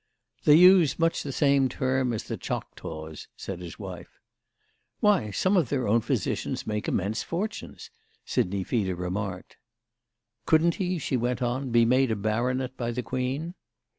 "They use much the same term as the Choctaws," said his wife. "Why, some of their own physicians make immense fortunes," Sidney Feeder remarked. "Couldn't he," she went on, "be made a baronet by the Queen?"